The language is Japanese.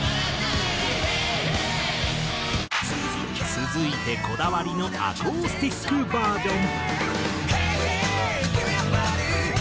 続いてこだわりのアコースティックバージョン。